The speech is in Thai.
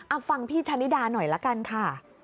เอาฟังพี่ธนิดาหน่อยละกันค่ะ